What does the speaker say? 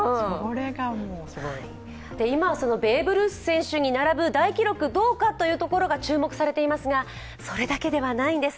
今はベーブ・ルース選手に並ぶ大記録どうかというところが注目されていますがそれだけではないんです。